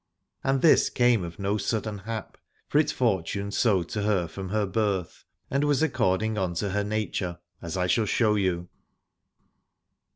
And this came of no sudden hap, but it fortuned so to her from her birth, and was according unto her nature, as I shall show you.